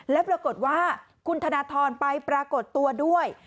แล้วปรากฏว่าคุณธนทรไปปรากฏตัวด้วย